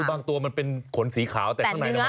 บางตัวมันเป็นขนสีขาวแต่ข้างในมัน